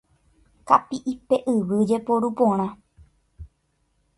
Kapi'ipe yvy jeporu porã.